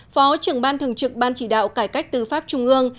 phó trưởng ban thường trực ban chỉ đạo cải cách tư pháp trung ương